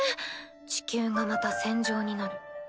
地球がまた戦場になる。